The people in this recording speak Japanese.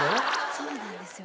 そうなんですよ。